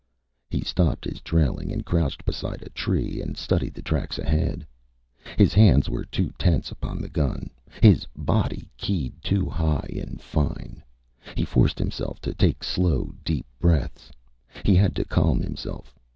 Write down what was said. He stopped his trailing and crouched beside a tree and studied the tracks ahead. His hands were too tense upon the gun, his body keyed too high and fine. He forced himself to take slow, deep breaths. He had to calm himself.